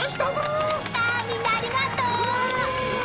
ああみんなありがとう。